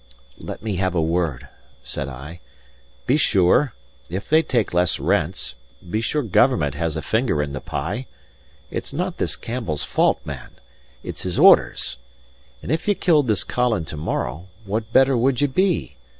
"Let me have a word," said I. "Be sure, if they take less rents, be sure Government has a finger in the pie. It's not this Campbell's fault, man it's his orders. And if ye killed this Colin to morrow, what better would ye be?